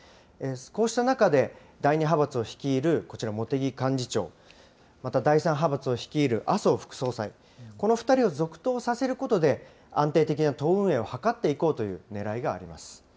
こうした中で、第２派閥を率いるこちら、茂木幹事長、また第３派閥を率いる麻生副総裁、この２人を続投させることで、安定的な党運営を図っていこうというねらいがあります。